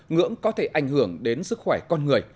ngưỡng có thể ảnh hưởng đến sức khỏe con người